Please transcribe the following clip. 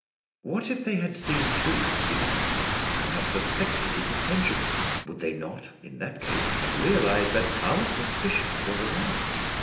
What if they had seen through his devices, and had suspected his intentions? Would they not, in that case, have realised that our suspicions were aroused?